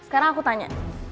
sekarang aku tanya